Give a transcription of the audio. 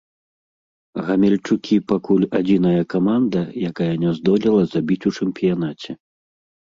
Гамельчукі пакуль адзіная каманда, якая не здолела забіць у чэмпіянаце.